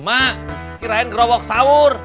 mak kirain kerobok sawur